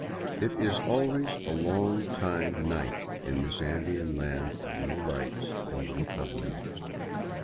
It is always a long time night in this Andean land of no lights and little covering.